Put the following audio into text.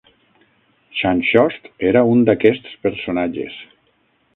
Xanxost era un d'aquests personatges.